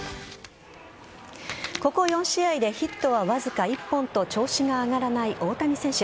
ここ４試合でヒットはわずか１本と調子が上がらない大谷選手。